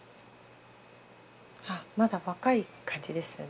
あまだ若い感じですよね。